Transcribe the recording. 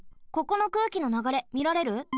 ここの空気のながれみられる？